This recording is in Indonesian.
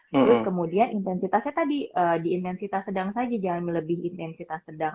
terus kemudian intensitasnya tadi di intensitas sedang saja jangan melebih intensitas sedang